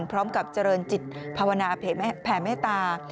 พร้อมกับเจริญจิตภาวนาแผ่เมตตา